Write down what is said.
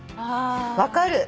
分かる。